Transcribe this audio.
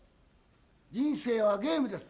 人生はゲームです。